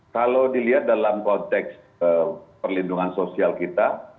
kalau dilihat dalam konteks perlindungan sosial kita